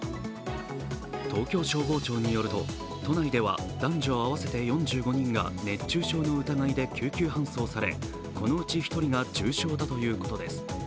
東京消防庁によると、都内では男女合わせて４５人が、熱中症の疑いで救急搬送され、このうち１人が重症だということです。